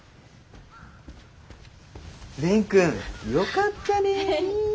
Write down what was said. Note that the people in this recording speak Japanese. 蓮くんよかったね。